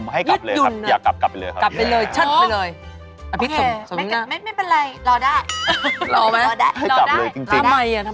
ให้กลับเลยจริง